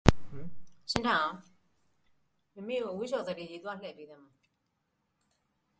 Notable winners include V. S. Naipaul, Kingsley Amis, Martin Amis and Thom Gunn.